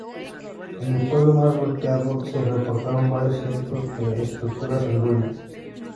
En el pueblo más golpeado, se reportaron varios cientos de estructuras en ruinas.